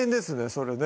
それね